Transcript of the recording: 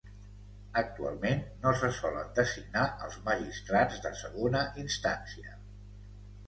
Actualment, no se solen designar els magistrats de segona instància.